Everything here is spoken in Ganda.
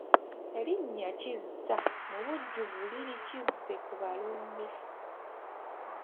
Erinnya Kizza mubujjuvu liri Kizzekubalongo.